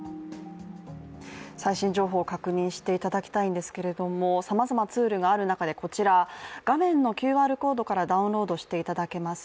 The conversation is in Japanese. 最新情報を確認していただきたいんですけれども、さまざまツールがある中でこちら、画面のＱＲコードからダウンロードしていただけます